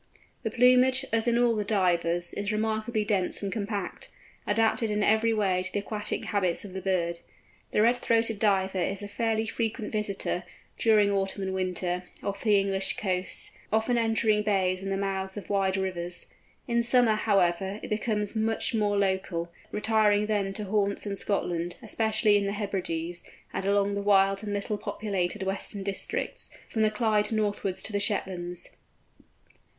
The plumage, as in all the Divers, is remarkably dense and compact, adapted in every way to the aquatic habits of the bird. The Red throated Diver is a fairly frequent visitor, during autumn and winter, off the English coasts, often entering bays and the mouths of wide rivers. In summer, however, it becomes much more local, retiring then to haunts in Scotland, especially in the Hebrides and along the wild and little populated western districts, from the Clyde northwards to the Shetlands.